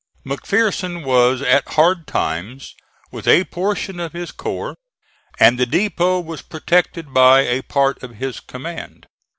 McPherson was at Hard Times with a portion of his corps, and the depot was protected by a part of his command.